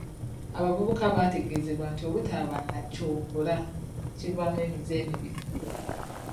Abavubuka bateegezebwa anti obutaba na ky'okkola kivaamu emize emibi.